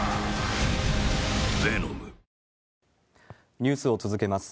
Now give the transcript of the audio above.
ニュースを続けます。